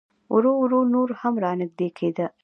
ورو ورو نور هم را نږدې کېده.